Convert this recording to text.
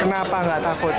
kenapa enggak takut